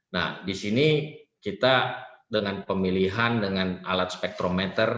nah di sini kita dengan pemilihan dengan alat spektrometer